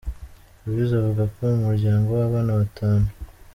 Loise avuka mu muryango w’abana batanu.